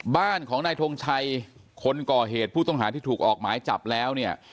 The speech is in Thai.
บ้านของนายทงชัยคนก่อเหตุผู้ต้องหาที่ถูกออกหมายจับแล้วเนี่ย